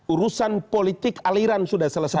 urusan politik aliran sudah selesai